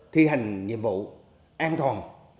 thi hành nhiệm vụ an toàn